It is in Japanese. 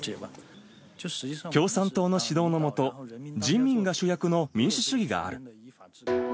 共産党の指導の下、人民が主役の民主主義がある。